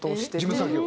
事務作業？